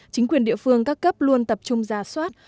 chính quyền địa phương các cấp luôn tập trung ra soát